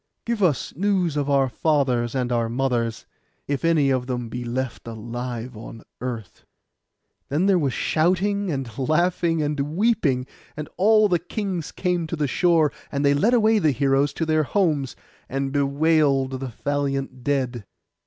Give us news of our fathers and our mothers, if any of them be left alive on earth.' Then there was shouting, and laughing, and weeping; and all the kings came to the shore, and they led away the heroes to their homes, and bewailed the valiant dead.